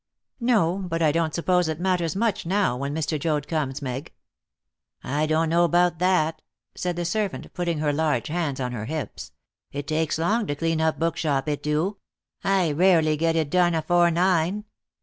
"No. But I don't suppose it matters much now when Mr. Joad comes, Meg." "I dunno 'bout that," said the servant, putting her large hands on her hips; "it takes long to clean up bookshop, it do. I rarely get it done afore nine.